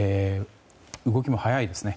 動きも速いですね。